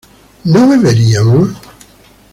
¿no beberíamos?